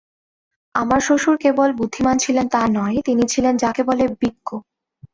আমার শ্বশুর কেবল বুদ্ধিমান ছিলেন তা নয়, তিনি ছিলেন যাকে বলে বিজ্ঞ।